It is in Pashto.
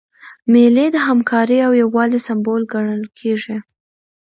مېلې د همکارۍ او یووالي سمبول ګڼل کېږي.